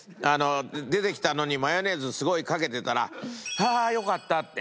出てきたのにマヨネーズすごいかけてたら「はあよかった」って。